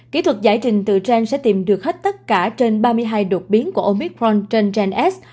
kỹ thuật giải trình tựa gen sẽ tìm được hết tất cả trên ba mươi hai đột biến của omicron trên gen s